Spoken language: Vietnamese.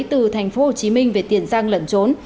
từ thành phố hồ chí minh về tiền giang lẩn trốn